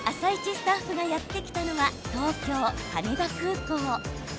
スタッフがやって来たのは、東京・羽田空港。